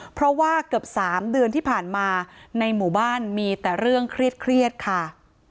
เพราะว่าเกือบ๓เดือนที่ผ่านมาในหมู่บ้านมีแต่เรื่องเครียดค่ะ